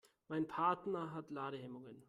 Mein Partner hat Ladehemmungen.